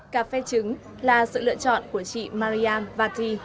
cà phê trứng là sự lựa chọn của chị mariam vati